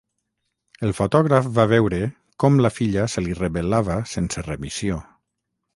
El fotògraf va veure com la filla se li rebel·lava sense remissió